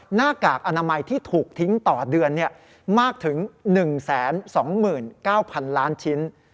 หน้ากากอนามัยที่ถูกทิ้งต่อเดือนมากถึง๑๒๙๐๐๐ล้านชิ้น